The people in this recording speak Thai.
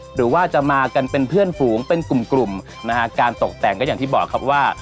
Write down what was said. หรือว่าจะมากันเป็นเพื่อนฝูงเป็นกลุ่มกลุ่มนะฮะการตกแต่งก็อย่างที่บอกครับว่า